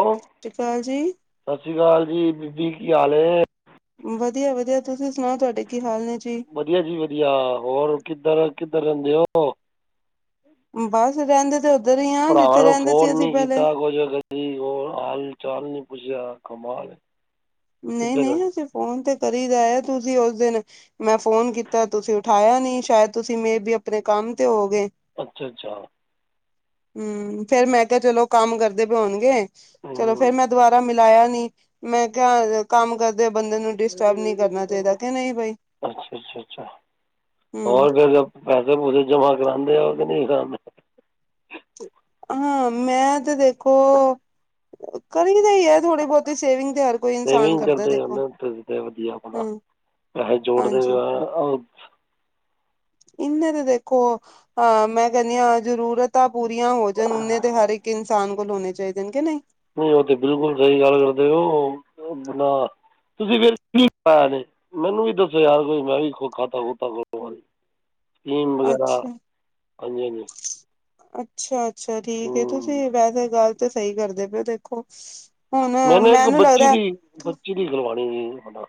Hello ਸ਼੍ਰੀ ਅਕਾਲ ਜੀ, ਸਤਿ ਸ੍ਰੀ ਅਕਾਲ ਜੀ ਬੀਬੀ ਕੀ ਹਾਲ ਹੈ? ਵਧੀਆ ਵਧੀਆ ਤੁਸੀਂ ਸੁਣਾਓ ਤੁਹਾਡੇ ਕੀ ਹਾਲ ਨੇ? ਜੀ? ਵਧੀਆ ਜੀ ਵਧੀਆ ਹੋਰ ਕਿੱਧਰ ਕਿੱਧਰ ਰਹਿੰਦੇ ਹੋ? ਬਸ ਰਹਿੰਦੇ। ਤੇ ਉੱਧਰ ਹੀ ਆ ਭਰਾਵਾਂ ਜਿੱਥੇ ਨੂੰ ਰਹਿੰਦੇ ਸੀ ਫੋਨ ਅਸੀਂ ਨੀ ਪਹਿਲੇ। ਕੀਤਾ ਕੁਝ ਕਦੀ ਹੋਰ ਹਾਲ ਚਾਲ ਨੀ? ਪੁੱਛੀਆਂ ਕਮਾਲ ਹੈ ਨਹੀਂ ਕਿੱਧਰ ਨਹੀਂ ਅਸੀਂ ਫੋਨ ਤੇ ਕਰੀ ਦਾ। ਤੁਸੀਂ ਉਸ ਦਿਨ ਮੈਂ ਫੋਨ ਕੀਤਾ ਤੁਸੀਂ ਉਠਾਇਆ ਨੀ ਸ਼ਾਇਦ ਤੁਸੀਂ ਮੇ ਵੀ ਆਪਣੇ ਕੰਮ ਤੇ ਹੋ ਗਏ। ਅੱਛਾ ਅੱਛਾ। ਹੂੰ ਫੇਰ ਮੈਂ ਕਿਹਾ ਚਲੋ ਕੰਮ ਕਰਦੇ ਪਏ ਹੋਣਗੇ ਚਲੋ ਫੇਰ ਹੂੰ ਮੈਂ ਦੁਬਾਰਾ ਮਿਲ। ਮਲਾਇਆ ਨੀ ਮੈਂ ਕਿਹਾ ਕੰਮ । ਕਰਦੇ ਬੰਦੇ ਨੂੰ ਡਿਸਟਰਬ ਨਹੀਂ ਕਰਨਾ ਚਾਹੀਦਾ ਕਿ ਨਹੀਂ ਬਈ? ਅੱਛਾ ਅੱਛਾ ਅੱਛਾ ਹੂੰ ਹੋਰ ਫਿਰ ਪੈਸੇ ਪੂਸੇ ਜਮਾ ਕਰਾਉਂਦੇ ਉਹ ਕੇ ਨਹੀਂ ਕਰਾਉਂਦੇ? ਹਾਂ ਮੈਂ ਤੇ ਦੇਖੋ? ਮੈਨੂੰ ਤਾਂ ਇਹ ਹੈ ਥੋੜੀ ਬਹੁਤੀ ਸੇਵਿੰਗ ਤੇ ਹਰ ਕੋਈ ਇਨਸਾਨ ਸੇਵਿੰਗ ਕਰਦਾ ਕਰਦੇ ਹੋ ਦੇਖੋ ਨਾ ਤੁਸੀਂ ਤਾਂ ਵਧੀਆ ਆਪਣਾ ਹੂੰ। ਪੈਸੇ ਜੋੜਦੇ ਵੀ ਆ। ਇਹਦੇ ਤੇ ਦੇਖੋ ਅਹ ਮੈਂ ਕਹਿੰਦੀ ਹਾਂ ਜ਼ਰੂਰਤਾਂ। ਪੂਰੀਆਂ ਹੋ ਜਾਣ ਨੇ ਇੰਨੇ ਤੇ ਹਰ ਇੱਕ ਇਨਸਾਨ ਕੋਲ ਹੋਣੇ ਚਾਹੀਦੇ ਨੇ ਕਿ ਨਹੀਂ ਹੂੰ ਉਹ ਤੇ ਬਿਲਕੁਲ ਸਹੀ ਗੱਲ ਕਰਦੇ ਉਹ ਅਪਨਾ ਤੁਸੀਂ ਫੇਰ ਕਿ ਪਾਈਆਂ ਇਹਦੇ ਤੇ ਮੈਨੂੰ ਵੀ ਦੱਸੋ ਯਾਰ ਕੋਈ ਮੈਂ ਵੀ ਖਾਤਾ ਖੋਤਾ ਖੋਲੂਗਾ। [unintelligible] ਫੀਮ ਵਗੈਰਾ ਅੱਛਾ ਹਾਂਜੀ ਹਾਂਜੀ। ਅੱਛਾ ਅੱਛਾ ਠੀਕ ਹੂੰ ਤੁਸੀਂ ਵੈਸੇ ਗੱਲ ਤੇ ਸਹੀ ਕਰਦੇ ਪਏ ਦੇਖੋ? ਹੁਣ ਮੈਨੂੰ ਇੱਕ ਬੱਚੀ ਲੱਗਦਾ ਦੀ ਬੱਚੀ ਦੀ ਖਲਵਾਣੀ ਹੈ ਹਾਂ।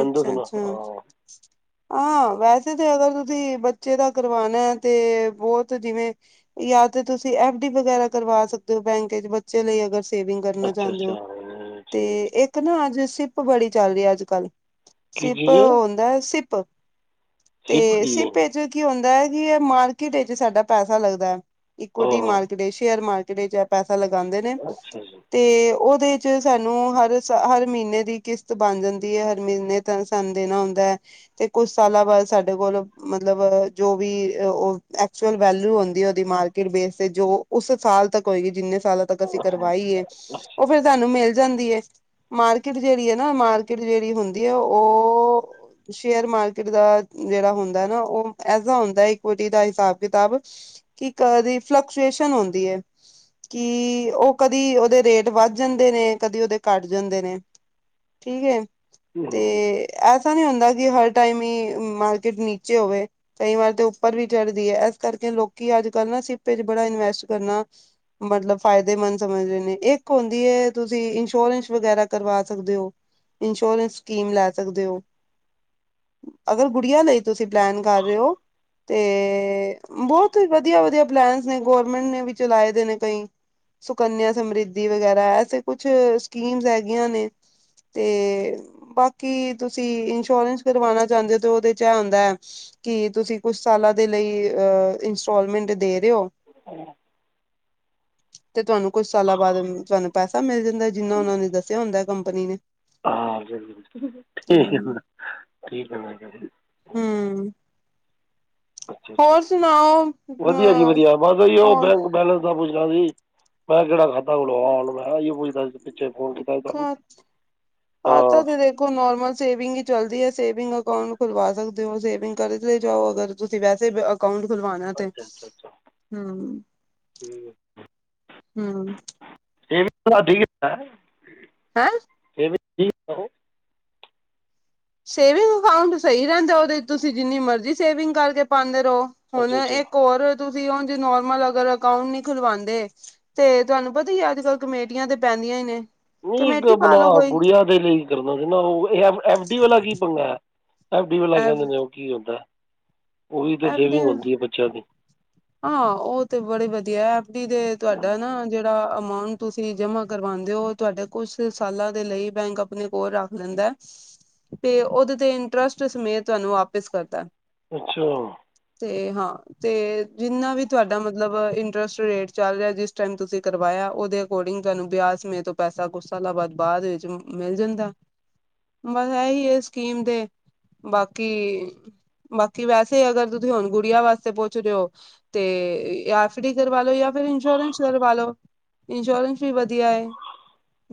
ਅੱਛਾ ਅੱਛਾ ਹਾਂ ਵੈਸੇ। ਵੈਸੇ ਤੇ ਅਗਰ ਤੁਸੀਂ ਬੱਚੇ ਦਾ ਕਰਵਾਣਾ ਹੈ ਤੇ ਬਹੁਤ ਜਿਵੇਂ ਜਾਂ ਤੇ ਤੁਸੀਂ ਐਫ ਡੀ। ਵਗੈਰਾ ਕਰਵਾ ਸਕਦੇ ਹੋ ਬੈਂਕ 'ਚ ਬੱਚੇ ਲਈ ਅਗਰ। ਸੇਵਿੰਗ ਕਰਨਾ ਅੱਛਾ ਚਾਹੁੰਦੇ ਅੱਛਾ ਹੋ ਹਾਂ, ਠੀਕ ਤੇ ਇੱਕ ਨਾ ਅੱਜ ਸਿਪ ਬੜੀ ਚੱਲ ਰਹੀ ਹੈ ਅੱਜ ਕੱਲ੍ਹ। ਕੀ ਸਿਪ ਚੀਜ਼ ਹੈ ਉਹ ਹੁੰਦਾ ਸਿਪ। ਸਿਪ ਤੇ ਕੀ ਹੈ ਸਿੱਪੇ ਕੀ ਹੁੰਦਾ ਹੈ ਕਿ ਮਾਰਕੀਟ ਵਿੱਚ ਸਾਡਾ ਪੈਸਾ ਲੱਗਦਾ ਹੈ। ਇਕਟੀ ਹਾਂ ਮਾਰਕੀਟ ਸ਼ੇਅਰ ਮਾਰਕੀਟ 'ਚ ਪੈਸਾ ਲਗਾਉਦੇ ਨੇ ਅੱਛਾ ਜੀ ਤੇ ਉਹ। ਦੇ 'ਚ ਸਾਨੂੰ ਹਰ ਹਰ ਮਹੀਨੇ ਦੀ ਕਿਸ਼ਤ ਬਣ ਜਾਂਦੀ ਹੈ। ਮਹੀਨੇ ਤਿੰਨ ਸਾਨੂੰ ਦੇਣਾ ਹੁੰਦਾ ਹੈ ਤੇ ਕੁੱਛ ਸਾਲਾਂ ਬਾਅਦ ਸਾਡੇ ਕੋਲ ਮਤਲਬ ਜੋ ਵੀ। ਉਹ ਐਕਚੁਅਲ ਵੈਲਿਊ ਆਉਂਦੀ ਉਹਦੀ ਮਾਰਕੀਟ ਬੇਸ ਤੇ ਜੋ ਉਸ ਸਾਲ ਤੱਕ ਹੋਏਗੀ ਜਿੰਨੇ। ਸਾਲਾਂ ਤੱਕ ਅਸੀਂ ਕਰਵਾਈਏ ਅੱਛਾ ਉਹ ਫੇਰ ਸਾਨੂੰ ਮਿਲ। ਜਾਂਦੀ ਹੈ ਮਾਰਕੀਟ ਜਿਹੜੀ ਹੈ ਨਾ ਮਾਰਕੀਟ ਜਿਹੜੀ ਹੁੰਦੀ ਹੈ ਉਹ। ਸ਼ੇਅਰ ਮਾਰਕੀਟ ਦਾ ਜਿਹੜਾ ਹੁੰਦਾ ਨਾ ਉਹ ਐਸਾ ਹੁੰਦਾ ਹੈ ਇਕਵਿਟੀ ਦਾ ਹਿਸਾਬ ਕਿਤਾਬ। ਕੀ ਕਦੀ ਫਲਕਚੁਏਸ਼ਨ ਹੁੰਦੀ ਹੈ? ਕਿ ਉਹ ਕਦੀ ਉਹਦੇ ਰੇਟ ਵੱਧ ਜਾਂਦੇ ਨੇ ਕਦੀ ਉਹਦੇ ਘੱਟ ਜਾਂਦੇ ਨੇ। ਠੀਕ ਹੈ ਤੇ ਹੂੰ ਐ। ਏਦਾ ਨੀ ਹੁੰਦਾ ਕਿ ਹਰ ਟਾਈਮ ਹੀ ਮਾਰਕੀਟ ਨੀਚੇ ਹੋਵੇ ਕਈ ਵਾਰ ਤੇ ਉੱਪਰ ਵੀ ਚੜਦੀ ਹੈ ਇਸ ਕਰਕੇ। ਲੋਕੀ ਅੱਜ ਕੱਲ੍ਹ ਨਾ ਸਿੱਪੇ ਚ ਬੜਾ ਇਨਵੈਸਟ ਕਰਨਾ ਮਤਲਬ ਫਾਇਦੇਮੰਦ ਸਮਝਦੇ ਨੇ ਇੱਕ ਹਦੀ ਤੁਸੀਂ ਇੰਸ਼ੋਰੈਂਸ ਵਗੈਰਾ ਕਰਵਾ ਸਕਦੇ ਹੋ ਇੰਸ਼ੋਰੈਂਸ ਸਕੀਮ ਲੈ ਸਕਦੇ ਹੋ ਅਗਰ ਗੁੜੀਆਂ ਲਈ ਤੁਸੀਂ ਪਲੈਨ ਕਰ ਰਹੇ ਹੋ ਤੇ ਬਹੁਤ ਵਧੀਆ ਵਧੀਆ ਪਲੈਨ ਨੇ ਗਰਮੈਂਟ ਨੇ ਵੀ ਚਲਾਏ ਦੇ ਨੇ ਕਈ ਸੁਕਨਿਆ ਸਮ੍ਰਿਧੀ ਵਗੈਰਾ ਐਸੇ ਕੁਛ ਸਕੀਮ ਹੈਗੀਆਂ ਨੇ ਤੇ ਬਾਕੀ ਤੁਸੀਂ ਇੰਸ਼ੋਰੈਂਸ ਕਰਵਾਉਣਾ ਚਾਹੁੰਦੇ ਹੋ ਤੇ ਉਹਦੇ ਚ ਇਹ ਹੁੰਦਾ ਹੈ ਕਿ ਤੁਸੀਂ ਕੁਛ ਸਾਲ ਦੇ ਲਈ ਅਹ ਇੰਸਟਾਲਮੈਂਟ ਦੇ ਤੇ ਤੁਹਾਨੂੰ ਕੁੱਛ ਸਾਲਾਂ ਬਾਅਦ ਤੁਹਾਨੂੰ ਪੈਸਾ ਮਿਲ ਜਾ ਹਦਾ ਜਿੰਨਾ ਉਹਨਾ ਨੇ ਦੱਸਿਆ ਹੁੰਦਾ ਕੰਪਨੀ ਨੇ ਹਾਂ ਬਿਲਕੁਲ ਹੂੰ, ਠੀਕੈ ਹਮ ਅੱਛਾ ਅੱਛਾ ਸੁਣਾਓ ਵਧੀਆ ਜੀ ਅ ਵਧੀਆ ਬਸ ਉਹ ਹੋਰ ਬੈਂਕ ਬੈਲੇੈਂਸ ਦਾ ਪੁ ਮੈਂ ਕਿਹੜਾ ਖਾਤਾ ਖੁਲਵਾਨਾ ਇਹੀਓ ਪੁੱਛਦਾ ਸੀ ਪਿੱਛੇ ਫੋਨ ਕੀਤਾ ਸੀ ਤੁਹਾਨੂੰ ਖਾ ਹਾਂ ਖਾਤਾ ਤੇ ਦੇਖੋ ਨੋਰਮਲ ਸੇਵਿੰਗ ਹੀ ਚਲਦੀ ਹੈ ਸੇਵਿੰਗ ਅਕਾਊਂਟ ਖੁਲਵਾ ਸਕਦੇ ਹੋ ਸੇਵਿੰਗ ਕਰ ਲ ਜਾਓ ਅਗਰ ਤੁਸੀਂ ਵੈਸੇ ਅਕਾਊਂਟ ਖੁਲਵਾਣਾ ਤੇ ਅੱਛਾ ਅੱਛਾ ਅੱਛਾ ਹਮ ਠੀਕ ਹੈ ਹਮ ਇਹ ਵੀ ਤੁਹਾਡੀ ਲੀਤਾ ਹੈ ਹੈਂ! [inaudible] ਸੇਵਿੰਗ ਅਕਾਉਂਟ ਸਹੀ ਰਹਿੰਦਾ ਉਹਦੇ ਤੁਸੀਂ ਜਿੰਨੀ ਮਰਜ਼ੀ ਸੇਵਿੰਗ ਕਰਕੇ ਪਾਉਂਦੇ। ਹੁਣ ਅੱਛਾ ਅੱਛਾ ਇੱਕ ਹੋਰ ਤੁਸੀਂ ਤੁਸੀਂ ਹਣ ਜੇ ਨੋਰਮਲ ਅਗਰ ਅਕਾਊਂਟ ਨਹੀਂ ਖੁਲਵਾਉਂਦੇ ਤੇ ਤੁਹਾਨੂੰ ਪਤਾ ਹੀ ਅੱਜ ਕੱਲ ਕਮੇਟੀਆਂ ਤੇ ਪੈਂਦੀਆਂ ਹੀ ਨੇ ਨਹੀਂ ਇੱਕ ਕਮੇਟੀ ਪਾ ਆਪਣਾ ਲਓ ਕੋਈ ਗੁੜੀਆਂ ਦੇ ਲਈ ਕਰਨਾ ਸੀ ਨਾ ਉਹ ਐਫ ਡੀ ਵਾਲਾ ਕੀ ਪੰਗਾ ਹੈ ਐਫ ਡੀ ਵਾਲਾ ਐਫ ਕਹਿੰਦੇ ਨੇ ਉਹ ਕੀ ਹੁੰਦਾ ਉਹ ਵੀ ਤਾਂ ਐਫ ਡੀ ਸੇਵਿੰਗ ਹੁੰਦੀ ਹੈ ਬੱਚਿਆਂ ਦੀ ਹਾਂ ਉਹ ਤੇ ਬੜੇ ਵਧੀਆ ਐਫ ਡੀ ਦੇ ਤੁਹਾਡਾ ਨਾ ਜਿਹੜਾ ਅਮਾਊਂਟ ਤੁਸੀਂ ਜਮਾਂ ਕਰਵਾਉਦੇ ਹੋ ਤੁਹਾਡੇ ਕੁਛ ਸਾਲਾਂ ਦੇ ਲਈ ਬੈਂਕ ਆਪਣੇ ਕੋਲ ਰੱਖ ਲੈਂਦਾ ਹੈ ਤੇ ਉਹਦੇ ਤੇ ਇੰਟਰਸਟ ਸਮੇਤ ਤੁਹਾਨੂੰ ਵਾਪਿਸ ਕਰਦਾ ਅੱਛਾ ਤੇ ਹਾਂ ਤੇ ਜਿੰਨਾ ਵੀ ਤੁਹਾਡਾ ਮਤਲਬ ਇੰਟਰਸਟ ਰੇਟ ਚੱਲ ਰਿਹਾ ਜਿਸ ਟਾਈਮ ਤੁਸੀਂ ਕਰਵਾਇਆ ਉਹਦੇ ਅਕੋਰਡਿੰਗ ਤੁਹਾਨੂੰ ਬਿਆਜ ਸਮੇਤ ਓਹ ਪੈਸਾ ਕੁਛ ਸਾਲਾਂ ਬਾਅਦ ਬਾਅਦ ਵਿੱਚ ਮਿਲ ਜਾਂਦਾ ਬਸ ਇਹੀ ਹੈ ਸਕੀਮ ਦੇ ਬਾਕੀ ਬਾਕੀ ਵੈਸੇ ਅਗਰ ਤੁਸੀਂ ਹੁਣ ਗੁੜੀਆਂ ਵਾਸਤੇ ਪਹੁੰਚ ਰਹੇ ਹੋ ਤੇ ਆਫ ਡੀ ਕਰਵਾ ਲੋ ਜਾਂ ਫਿਰ ਇੰਸ਼ੋਰੈਂਸ ਕਰਵਾ ਲੋ ਇੰਸ਼ੋਰੈਂਸ ਵੀ ਵਧੀਆ ਹੈ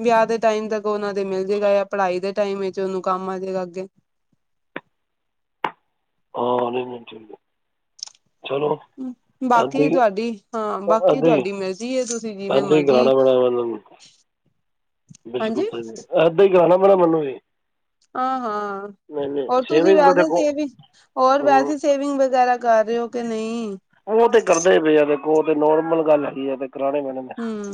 ਵਿਆਹ ਦੇ ਟਾਈਮ ਤੱਕ ਉਹਨਾ ਦੇ ਮਿਲ ਜਾੇਗਾ ਪੜ੍ਹਾਈ ਦੇ ਟਾਈਮ ਵਿੱਚ ਉਹਨੂੰ ਕੰਮ ਆ ਜਾਏਗਾ ਅੱਗੇ ਹਾਂ ਨਈ ਨਈ ਚਲੋ ਇੱਦਾਂ ਬਾਕੀ ਹੀ ਤੁਹਾਡੀ ਹਾਂ ਬਾਕੀ ਇੱਦਾਂ ਹੀ ਤੁਹਾਡੀ ਮਰਜੀੀ ਤੁਸੀਂ ਜਿਵੇਂ ਇੱਦਾਂ ਹੀ ਮਰਜੀੀ ਕਰਾਉਣਾ ਪੈਣਾ ਮੈਨੂੰ ਬਿਲਕੁਲ ਏਦਾਂ ਹੀ ਗਾਣਾ ਬਣਾ ਮੈਨੂੰ ਇਹ ਹਾਂ ਹਾਂ ਅ [unintelligible] ਰ ਤੂੰ ਵੀ ਸੇਵਿੰਗ ਤਾਂ ਵਆਦੇ ਦੇਖੋ ਵੀ ਹੋਰ ਹੂੰ ਵੈਸੇ ਸੇਵਿੰਗ ਵਗੈਰਾ ਕਰ ਰਹੇ ਹੋ ਕੇ ਨਹੀਂ? ਉਹ ਤੇ ਕਰਦੇ ਹੀ ਪਏ ਆ ਦੇਖੋ ਉਹ ਤੇ ਨੋਰਮਲ ਗੱਲ ਹੈਗੀ ਆ ਤੇ ਕਰਾਣੇ ਪੈਣੇ ਨੇ। ਹਮ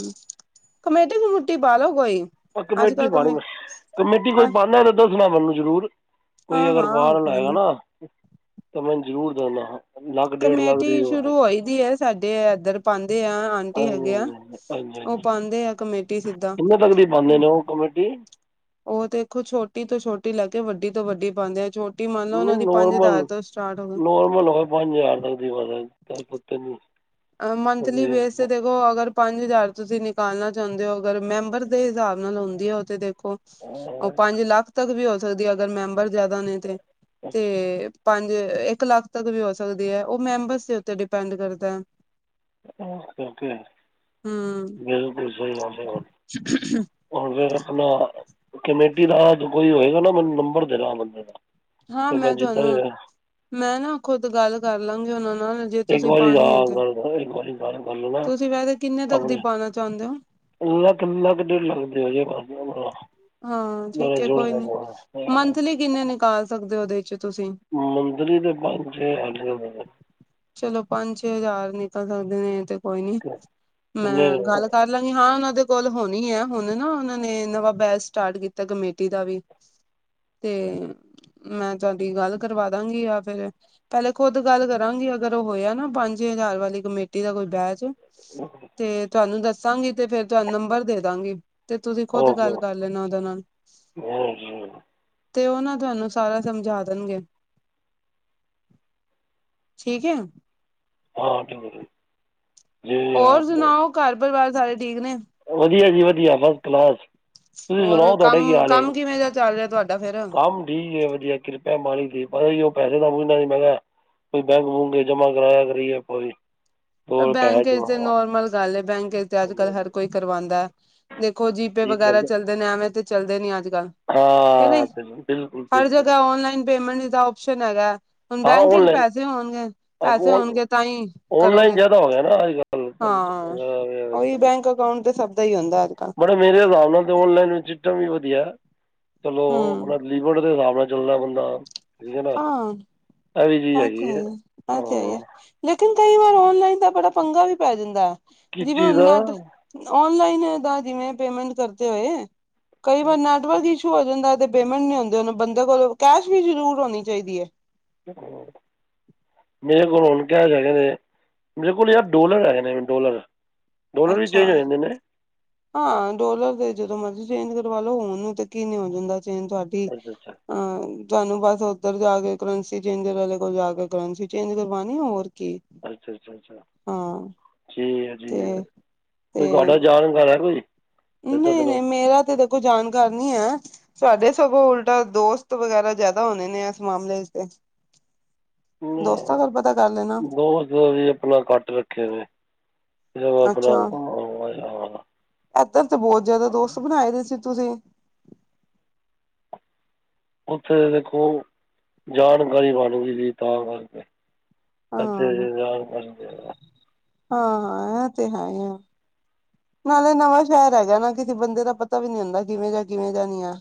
ਕਮੇਟੀ ਕਮੋਟੀ ਪਾਲੋ ਕੋਈ। ਓ ਅੱਜ ਕਮੇਟੀ ਕੱਲ ਪਾਣੀ ਕਮੇ ਮੈ, ਕਮੇਟੀ ਕੋਈ ਹਾਂ ਪਾਉਦਾ ਉਹ ਨ ਦੱਸਣਾ ਮੈਨੂੰ ਜ਼ਰੂਰ। ਕੋਈ ਅਗਰ ਹਾਂ ਬਾਹਰ ਕੋਈ ਲਏਗਾ ਨੀ ਨਾ ਤਾਂ ਮੈਨੂੰ ਜ਼ਰੂਰ ਦੱਸਣਾ ਹਾਂ। ਕਮੇਟੀ ਸ਼ੁਰੂ ਹੋਈ ਦੀ ਹੈ ਸਾਡੇ ਇਧਰ ਪਾਉਂਦੇ ਆ ਆਂਟੀ ਹਾਂਜੀ ਹੈਗੇ ਆ। ਹਾਂਜੀ ਹਾਂਜੀ, ਹਾਂਜੀ ਉਹ ਹਾਂਜੀ ਪਾਉਂਦੇ ਆ ਕਮੇਟੀ ਸਿੱਧਾ। ਪਾਂਦੇ ਨੇ ਓ ਕਮੇਟੀ? ਉਹ ਤੇ ਦੇਖੋ ਛੋਟੀ ਤੋਂ ਛੋਟੀ ਲੈ ਕੇ ਵੱਡੀ ਤੋਂ ਵੱਡੀ ਪਾਉਂਦੇ ਆ ੋ ਨਹੀਂ ਨੋਰਮਲ ਨੋਰਮਲ ਹੋ ਪੰਜ ਹਜ਼ਾਰ ਤੱਕ ਦੀ [unintelligible] ਨੀ ਮੰਥਲੀ ਬੇਸ ਤੇ ਦੇਖੋ ਅਗਰ ਪੰਜ ਹਜ਼ਾਰ ਤੁਸੀਂ ਨਿਕਾਲਣਾ ਚਾਹੁੰਦੇ ਹੋ ਅਗਰ ਮੈਂਬਰ ਦੇ ਹਿਸਾਬ ਨਾਲ ਹੁੰਂਦੀ ਹੈ ਉਹ ਤੇ ਦੇਖ ਉਹ ਪੰਜ ਲੱਖ ਤੱਕ ਵੀ ਹੋ ਸਕਦੀ ਅਗਰ ਮੈਂਬਰ ਜਿਆਦਾ ਨੇ ਤੇ ਤੇ ਪੰਜ ਇੱਕ ਲੱਖ ਤੱਕ ਵੀ ਹੋ ਸਕਦੀ ਹੈ ਉਹ ਮੈਂਬਰਸ ਦੇ ਉੱਤੇ ਡਿਪੈਂਡ ਕਰਦਾ ਹੈ। ਓਕੇ ਓਕੇ ਹਮ ਮੇਨ ਕੋ ਸਹੀ [unintelligible] ਫ ਆਪਣਾ ਕਮੇਟੀ ਦਾ ਜੋ ਕੋਈ ਹੋਏਗਾ ਨਾ ਮੈਨੂੰ ਨੰਬਰ ਦੇਣਾ ਓ ਬੰਦੇ ਦਾ। ਹਾਂ ਫਿਰ ਮੈਂ ਜਿੱਦਾਂ ਤੁਹਾਨੂੰ ਹੀ ਮੈਂ ਨਾ ਖੁਦ ਗੱਲ ਕਰ ਲਾਂਗੀ ਉਹਨਾਂ ਨੂੰ। ਜੇ ਇੱਕ ਤੁਸੀਂ ਵਾਰੀ ਆ ਪਾਣੀ ਹੈ ਤੇ ਗੱਲ ਇੱਕ ਵਾਰੀ ਗੱਲ ਕਰ ਲੈਣਾ ਤੁਸੀਂ ਵੈਸੇ ਕਿੰਨੇ ਤੱਕ ਦੀ ਪਾਉਣਾ ਚਾਹੁੰਦੇ ਹੋ? ਇੰਨਾ ਕਿੰਨਾ ਕੁ ਦੇਰ ਲੱਗਦੇ ਹੋਜੇਗਾ ਹਾਂ ਠੀਕ ਹੈ ਕੋਈ ਨੀ, ਜਾਣਾ ਮੰਥਲੀ ਕਿੰਨੇ ਨਿਕਾਲ ਸਕਦੇ ਉਹਦੇ '। ਮੰਦਲੀ ਤੇ ਪੰਜ ਸ਼ੈ [unintelligible] ਚਲੋ ਪੰਜ ਛੇ ਹਜ਼ਾਰ ਨਿਕਲ ਸਕਦੇ ਨੇ ਤੇ ਕੋਈ ਨੀ ਕਿ- ਕਿੰਨੇ ਮੈਂ ਗੱਲ ਕਰ ਲਾਂਗੀ ਹਾਂ ਉਹਨਾਂ ਦੇ ਕੋਲ ਹੋਣੀ ਹੈ ਹੁਣ ਨਾ ਉਹਨਾਂ ਨੇ ਨਵਾਂ ਬੈਚ ਸਟਾਰਟ ਕੀਤਾ, ਕਮੇਟੀ ਦਾ ਵੀ। ਤੇ ਮੈਂ ਤੁਹਾਡੀ ਗੱਲ ਕਰਵਾ ਦਾਂਗੀ ਜਾ ਫਿਰ ਪਹਿਲੇ ਖੁੱਦ ਗੱਲ ਕਰਾਂਗੀ ਅਗਰ ਉਹ ਹੋਇਆ ਨਾ ਪੰਜ ਹਜ਼ਾਰ ਵਾਲੀ ਕਮੇਟੀ ਦਾ ਕੋਈ ਬੈਚ ਤੇ ਤੁਹਾਨੂੰ ਦੱਸ ਦੱਸਾਂਗੀ ਤੇ ਫਿਰ ਤੁਹਾਨੂੰ ਨੰਬਰ ਦੇ ਦਾਂਗੀ। ਤੇ ਤੁਸੀਂ ਖੁਦ ਓਕੇ ਗੱਲ ਕਰ ਲੈਣਾ ਓਦੇ ਨਾਲ। ਤੇ ਉਹ ਨਾ ਤੁਹਾਨੂੰ ਸਾਰਾ ਸਮਝਾ ਦੇਣਗੇ। ਠੀਕ ਹੈ। ਹਾਂ ਠੀਕ ਠੀਕ। ਹੋਰ ਸੁਣਾਓ ਘਰ ਪਰਿਵਾਰ ਸਾਰੇ ਠੀਕ ਨੇ? ਵਧੀਆ ਜੀ ਵਧੀਆ ਫਸਟ ਕਲਾਸ। ਤੁਸੀਂ ਹੋਰ ਸੁਣਾਓ ਤੁਹਾਡੇ ਕੀ ਕੰਮ ਹਾਲ ਹੈਗਾ। ਕੰਮ ਕਿਵੇਂ ਦਾ ਚੱਲ ਰਿਹਾ ਤੁਹਾਡਾ ਫੇਰ ਕੰਮ ਠੀਕ ਹੈ ਵਧੀਆ ਕਿਰਪਾ ਮਾਲਕ ਦੀ। ਪਤਾ ਜ ਉਹ ਪੈਸੇ ਦਾ ਬਨਾ ਨੀ ਮੈਂ ਕਿਹਾ ਕੋਈ ਬੈਂਕ ਬੂਕ ਜਮਾ ਕਰਵਾਇਆ ਕਰਾਇਆ ਕਰੀਏ ਆਪਾਂ ਵੀ। ਪਰ ਬੈਂਕ ਤੇ ਨੋਰਮਲ ਗੱਲ ਹੈ ਬੈਂਕ ਤੇ ਅੱਜ ਹਾਂਜੀ ਕੱਲ ਹਰ ਹਾਂਜੀ ਕੋਈ ਕਰਵਾਉਂਦਾ ਏ। ਦੇਖੋ ਜੀਪੇ ਠੀਕ ਹੈ ਵਗੈਰਾ ਜੀ। ਚੱਲਦੇ ਨੇ ਐਵੇਂ ਤੇ ਚੱਲਦੇ ਨੀ ਅੱਜ ਕੱਲ, ਕ ਹਾਂ ਨਹੀਂ? ਬਿਲ- ਬਿਲਕੁਲ ਹਰ ਬਿਲਕੁਲ ਜਗ੍ਹਾ ਔਨਲਾਈਨ ਪੇਮੈਂਟ। ਦਾ ਓਪਸ਼ਨ ਹੈਗਾ ਹੁਣ ਹਾਂ ਬੈਂਕ 'ਚ ਔਨਲਾਈਨ ਪੈਸੇ ਹੋਣਗੇ ਪੈਸੇ ਹੋਣਗੇ ਤਾਂ ਹੀ ਔਨਲਾਈਨ ਕਰੋਗੇ ਜ਼ਿਆਦਾ ਹੋ ਗਿਆ ਨਾ ਅੱਜ ਕੱਲ ਚੱਕ ਹਾਂ ਉਹੀ ਚਲੋ ਬੈਂਕ ਅਕਾਊਂਟ ਤੇ ਸਭ ਦਾ ਹੀ ਹੁੰਦਾ ਅੱਜ ਕੱਲ ਬੜਾ ਮੇਰੇ ਹ [unintelligible] ਉਹਨਾਂ ਅਨਲਾਈਨ ਵਿੱਚ ਸਿਸਟਮ ਵੀ ਵਧੀਆ ਚਲੋ ਹਮ ਆਪਣਾ ਲੀਵਰ ਦੇ ਹਿਸਾਬ ਨਾਲ ਚੱਲਣਾ ਬੰਦਾ ਹੈ ਨਾ ਹਾਂ ਇਹ ਵੀ ਚੀਜ਼ ਐ ਤੇ ਹੈਗੀ ਹੈ ਹੀ ਹਾਂ ਐ, ਲੇਕਿਨ ਕਈ ਵਾਰ ਆਨਲਾਈਨ ਦਾ ਬੜਾ ਪੰਗਾ ਵੀ ਪੈ ਜਾਂਦੈ। ਕਿਸ ਜਿਵੇ ਹੁਣ ਚੀਜ਼ ਦਾ ਨੈਟ ਆਨਲਾਈਨ ਦਾ ਜਿਵੇਂ ਪੇਮੈਂਟ ਕਰਦੇ ਹੋਏ ਕਈ ਵਾਰ ਨੈਟਵਰਕ ਇਸ਼ੂ ਹੋ ਜਾਂਦਾ ਤੇ ਪੇਮੈਂਟ ਨੀ ਹੁੰਦੇ ਉਹ ਬੰਦੇ ਕੋਲੋਂ ਕੈਸ਼ ਵੀ ਜ਼ਰੂਰ ਹੋਣੀ ਚਾਹੀਦੈ। ਹ ਮੇਰੇ ਕੋਲ ਹੁਣ ਕੈਸ਼ ਹੈਗੇ ਨੇ, ਮੇਰੇ ਕੋਲ ਯਾਰ ਡੋਲਰ ਹੈਗੇ ਨੇ ਮ ਡੋਲਰ ਡਾਲਰ ਵੀ ਅੱਛਾ ਚੇਂਜ ਹੋ ਜਾਂਦੇ ਨੇ। ਹਾਂ, ਡੋਲਰ ਦੇ ਜਦੋਂ ਮਰਜ਼ੀ ਚੇਂਜ ਕਰਵਾ ਲੋ, ਹੋਣ ਨੂੰ ਤੇ ਕੀ ਨੀ ਹੋ ਜਾਂਦਾ। [unintelligible] ਤੁਹਾਡੀ ਅੱਛਾ ਅੱਛਾ ਅਹ ਤੁਹਾਨੂੰ ਬਸ ਉੱਧਰ ਜਾ ਕੇ ਕਰੰਸੀ ਚੇਂਜਰ ਵਾਲੇ ਕੋਲ ਜਾ ਕੇ ਕਰੰਸੀ ਚੇਂਜ ਕਰਵਾਨੀ ਹੋਰ ਕੀ ਅੱਛਾ, ਅੱਛਾ, ਅੱਛਾ। ਹਾਂ ਠੀਕ ਹੈ, ਠੀਕ ਤੇ ਹੈ, ਕੋਈ ਤੇ ਤੁਹਾਡਾ ਜਾਣਕਾਰ ਹੈ ਕੋਈ? ਤਾਂ ਨਹੀਂ ਦੱਸਣਾ ਨਹੀਂ ਮੇਰਾ ਤੇ ਦੇਖੌ ਜਾਣਕਾਰ ਨੀ ਹੈ, ਸਾਡੇ ਸਗੋ ਉਲਟਾ ਦੋਸਤ ਵਗੈਰਾ ਜਿਆਦਾ ਹੋਣੇ ਨੇ ਇਸ ਮਾਮਲੇ ਚ ਤੇ। ਦੋਸਤਾਂ ਕੋਲ ਪਤਾ ਕਰ ਲੈਣਾ [unintelligible] ਆਪਣਾ ਕੱਟ ਰੱਖੇ ਨੇ। [unintelligible] ਆਪਣਾ [unintelligible] ਐਧਰ ਤੇ ਬਹੁਤ ਜਿਆਦਾ ਦੋਸਤ ਬਣਾਏ ਦੇ ਸੀ ਤੁਸੀਂ। ਉੱਥੇ ਦੇਖੋ ਜਾਣਕਾਰੀ ਬਣ ਗਈ ਸੀ ਤਾਂ ਕਰਕੇ। ਇੱਥੇ ਯਾਰ ਬਣ ਗੇ। ਹਾਂ, ਇਹ ਤੇ ਹੈ ਈ ਏ। ਨਾਲੇ ਨਵਾਂ ਸ਼ਹਿਰ ਹੈਗਾ ਐ ਨਾ ਕਿਸੇ ਬੰਦੇ ਦਾ ਪਤਾ ਵੀ ਨੀ ਹੁੰਦਾ ਕਿਵੇਂ ਦਾ ਕਿਵੇਂ ਦਾ ਨਹੀਂ ਐ।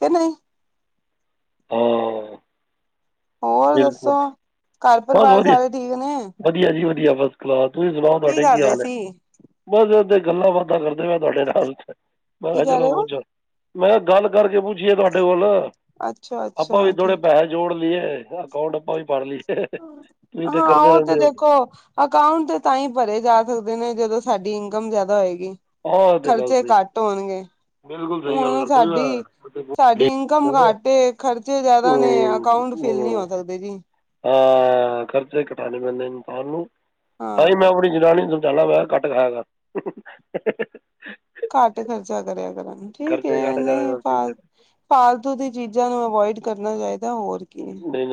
ਕੇ ਨਹੀਂ। ਹਾਂ। ਹੋਰ ਦੱਸੋ ਬਿਲਕੁਲ, ਘਰ ਬਸ ਪਰਿਵਾਰ ਵਧੀਆ, ਸਾਰੇ ਠੀਕ ਨੇ ਵਧੀਆ ਜੀ ਵ ਦੀਆਂ ਫਸਟ ਕਲਾਸ, ਤੁਸੀਂ ਸੁਣਾਓ ਤੁਹਾਡੇ ਕਰ ਕੀ ਰਹੇ ਹਾਲ ਐ, ਸੀ ਬਸ ਗੱਲਾਂ ਬਾਤਾਂ ਕਰਦੇ ਪਏ ਆ ਤੁਹਾਡੇ ਨਾਲ, ਮੈਂ ਕੀ ਕਿਹਾ ਕਹਿ ਚਲੋ ਰਹੇ ਹੋ ਗੁਜਣ। ਮੈਂ ਕਿਹਾ ਗੱਲ ਕਰਕੇ ਪੁੱਛੀਏ ਤੁਹਾਡੇ ਕੋਲ, ਆਪਾਂ ਵੀ ਅੱਛਾ-ਅੱਛਾ ਥੋੜੇ ਠੀਕ ਪੈਸੇ ਜੋੜ ਲਈਏ। ਅਕਾਊਂਟ ਆਪਾਂ ਵੀ ਪਰ ਲਈ। ਹਾਂ, ਉਹ ਤੇ ਦੇਖੋ ਅਕਾਊਂਟ ਤੇ ਤਾਂ ਈ ਪਰੇ ਜਾ ਸਕਦੇ ਨੇ ਜਦੋਂ ਥਾਡੀ ਇਨਕਮ ਜਿਆਦਾ ਹੋਏਗੀ, ਆਹ ਇਹ ਤਾਂ ਗੱਲ ਖਰਚੇ ਸਹੀ ਘੱਟ ਹੋਣਗੇ। ਬਿਲਕੁਲ ਸਹੀ ਗੱਲ ਹੁਣ ਕਰਦੇ ਸਾਡੀ, ਸਾਡੀ ਇਨਕਮ ਹੋ ਘੱਟ ਏ ਖਰਚੇ ਜਿਆਦਾ ਨੇ ਹੂੰ, ਅਕਾਓ ਫੀਲ ਨਹੀਂ ਹੋ ਸਕਦੇ ਜੀ। ਅ ਖਰਚੇ ਘਟਾਉਣੇ ਪੈਂਦੇ ਇਨਸਾਨ ਨੂੰ, ਤਾਂ ਈ ਮੈਂ ਹਾਂ ਆਪਣੀ ਜਨਾਨੀ ਨੂੰ। ਜਾਣਾ ਮੈਂ ਘੱਟ ਖਾਇਆ ਦਾ। ਘੱਟ ਖਰਚਾ ਕਰਿਆ ਕਰਾਗੀ ਠੀਕ ਐ ਖਰਚੇ ਘੱਟ ਇਨਾ ਖਾਇਆ ਈ ਕਰ ਠੀਕ ਹੈ ਫਾਲ ਫਾਲਤੂ ਦੀ। ਚੀਜ਼ਾਂ ਨੂੰ ਅਵੋਇਡ ਕਰਨਾ ਚਾਹੀਦੈ ਹੋਰ ਕੀ। ਨਹੀਂ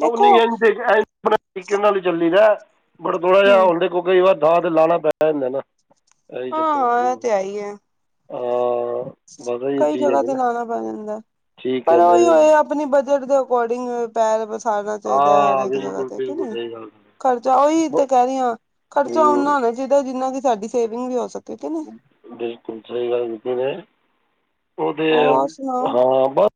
ਦੇਖੋ ਨਾਲ ਈ ਚੱਲੀਦਾ ਅ। ਪਰ ਥੋੜਾ ਜਿਹਾ ਹਮ ਹੁਣ ਦੇਖੋ ਕਈ ਵਾਰ ਦਾਂ ਤੇ ਲਾਣਾ ਪੈ ਜਾਂਦਾ ਅ ਨਾ। ਇਹੀ ਆਂ ਚੱਕਰ ਹੋ ਐ ਗਿਆ ਤੇ ਹੈ ਈ ਅ। ਕਈ ਜਗ੍ਹਾ ਤੇ ਲਾਣਾ ਪੈ ਜਾਂਦੈ, ਪਰ ਉਹੀ ਹੋਏ। ਆਪਣੀ ਬਜਟ ਦੇ ਅਕੋਰਡਿੰਗ ਪੈਰ ਪਸਾਰਨਾ ਚਾਹੀਦੈ ਹਰੇਕ ਜਗ੍ਹਾ ਬਿਲਕੁਲ ਤੇ ਕੇ ਬਿਲਕੁਲ ਨਹੀਂ। ਸਹੀ ਗੱਲ ਖਰਚਾ ਉਹੀ ਤੇ ਕਹਿ ਰਹੀ ਆ ਖਰਚਾ ਓਨਾ ਹੋਣਾ ਚਾਹੀਦਾ ਅ ਜਿੰਨਾ ਕਿ ਸਾਡੀ ਸੇਵਿੰਗ ਵੀ ਹੋ ਸ ਬਿਲਕੁਲ ਸਹੀ ਗੱਲ ਕੀਤੀ ਜੇ। ਉਹਦੇ ਆ ਹੋਰ ਸੁਣਾਓ ਹਾ ਬ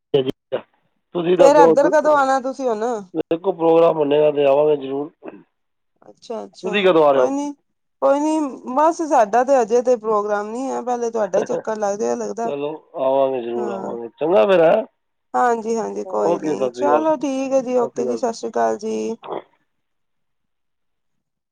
ਤੁਸੀਂ ਫੇਰ ਦੱਸੋ ਇੱਧਰ ਕਦੋਂ ਆਉਣਾ ਤੁਸੀਂ ਹੁਣ [unintelligible] ਪ੍ਰੋਗਰਾਮ ਬਣੇਗਾ ਤੇ ਆਵਾਂਗੇ ਜਰੂਰ। ਅੱਛਾ, ਅੱਛਾ ਕੋਈ ਨਹੀਂ, ਕੋਈ ਨਹੀਂ ਬਸ ਸਾ ਤੇ ਅਜੇ ਤੇ ਪ੍ਰੋਗਰਾਮ ਨੀ ਐ। ਪੇਲੇ ਤੁਹਾਡਾ ਹੀ ਚੱਕਰ ਲੱਗਜੇ ਜੇ ਲੱਗਦੈ, ਚਲੋ ਆਵਾਂਗੇ ਜ਼ਰੂਰ ਹਾਂ। ਆਵਾਂਗੇ ਚੰਗਾ ਫਿਰ ਹੈਂ ਹਾਂਜੀ, ਹਾਂਜੀ, ਕੋਈ ਓਕੇ ਨੀ ਸਤਿ ਸ਼੍ਰੀ ਅਕਾਲ ਚਲੋ ਸਤਿ ਠੀਕ ਏ ਜੀ, ਓਕੇ ਜੀ, ਸਤਿ ਸ਼੍ਰੀ ਅਕਾਲ ਜੀ। [inaudible]